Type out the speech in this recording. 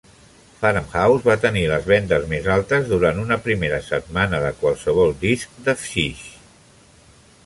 "Farmhouse" va tenir les vendes més altes durant una primera setmana de qualsevol disc de Phish.